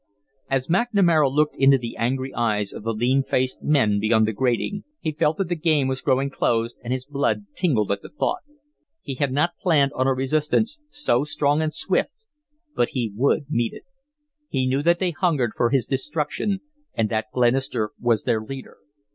As McNamara looked into the angry eyes of the lean faced men beyond the grating, he felt that the game was growing close, and his blood tingled at the thought. He had not planned on a resistance so strong and swift, but he would meet it. He knew that they hungered for his destruction and that Glenister was their leader.